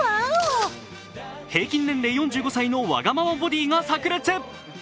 平均年齢４５歳のわがままボディが炸裂。